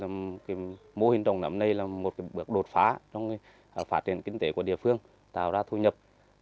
mô hình trồng nấm này là một bước đột phá trong phát triển kinh tế của địa phương tạo ra thu nhập